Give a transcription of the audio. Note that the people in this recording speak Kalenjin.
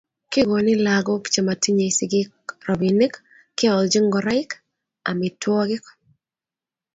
kigoni lagook chematinyei sigiik robinik, keolchi ngoroik, amitwogik